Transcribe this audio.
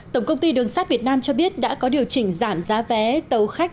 tổng công ty đường sắt việt nam cho biết đã có điều chỉnh giảm giá vé tàu khách